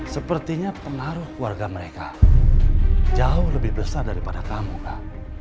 sepertinya pengaruh keluarga mereka jauh lebih besar daripada kamu kak